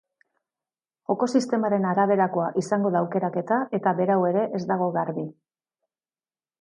Joko-sistemaren araberakoa izango da aukeraketa eta berau ere ez dago garbi.